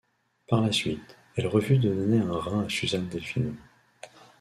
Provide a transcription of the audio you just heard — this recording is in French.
Par la suite, elle refuse de donner un rein à Susan Delfino.